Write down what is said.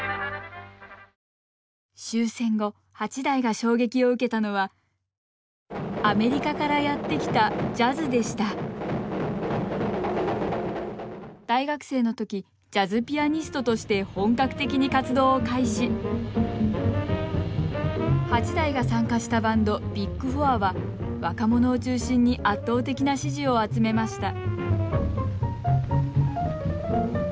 終戦後八大が衝撃を受けたのはアメリカからやって来たジャズでした大学生の時ジャズピアニストとして本格的に活動を開始八大が参加したバンドビッグ・フォアは若者を中心に圧倒的な支持を集めました